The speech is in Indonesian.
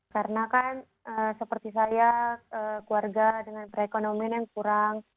karena kan seperti saya keluarga dengan perekonomian yang kurang